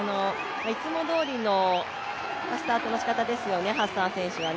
いつもどおりのスタートのしかたですよね、ハッサン選手は。